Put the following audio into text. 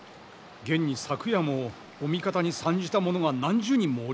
現に昨夜もお味方に参じた者が何十人もおりました。